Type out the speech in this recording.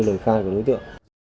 lời khai của đối tượng